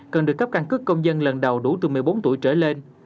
cần được cấp căn cước công dân lần đầu đủ từ một mươi bốn tuổi trở lên